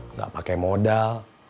nggak pakai modal